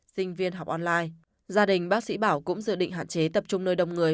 sinh viên học online gia đình bác sĩ bảo cũng dự định hạn chế tập trung nơi đông người